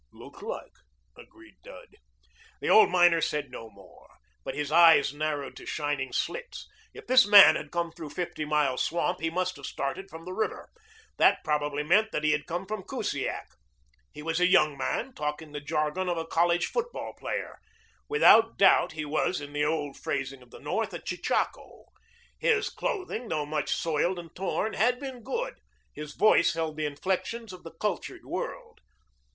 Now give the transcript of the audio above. "Looks like," agreed Dud. The old miner said no more. But his eyes narrowed to shining slits. If this man had come through Fifty Mile Swamp he must have started from the river. That probably meant that he had come from Kusiak. He was a young man, talking the jargon of a college football player. Without doubt he was, in the old phrasing of the North, a chechako. His clothing, though much soiled and torn, had been good. His voice held the inflections of the cultured world.